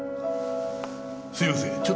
すいません。